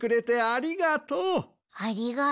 ありがとう。